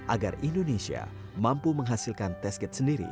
agar indonesia mampu menghasilkan test kit sendiri